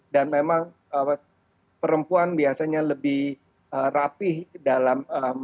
dan memang perempuan biasanya lebih rapih dalam membuatnya